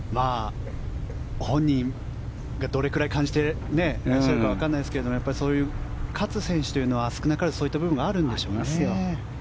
本人がどれぐらい感じてらっしゃるかわからないですがそういう勝つ選手というのは少なからずそういう部分があるんでしょうね。